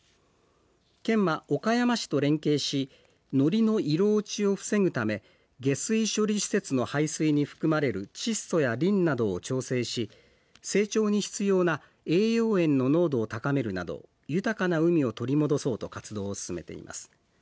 県は岡山市と連携しノリの色落ちを防ぐため下水処理施設の排水に含まれる窒素やリンなどを調整し成長に必要な栄養塩の濃度を高めるなど豊かな海を取り戻そうと活動を進めています。